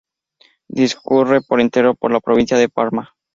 Discurre por entero por la provincia de Parma.